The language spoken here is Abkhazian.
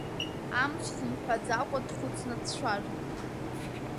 Амцхә мҳәаӡакәа дхәыцны дцәажәон.